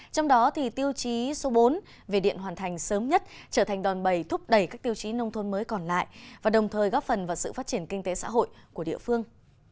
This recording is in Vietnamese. trong đó tiêu chí số bốn về điện hoàn thành sớm nhất trở thành đòn bầy thúc đẩy các tiêu chí nông thôn mới còn lại và đồng thời góp phần vào sự phát triển kinh tế xã hội của địa phương